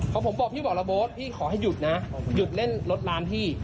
พอผมบอกพี่บอกระโบ๊ทพี่ขอให้หยุดนะหยุดเล่นรถร้านพี่